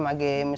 pada pertama itu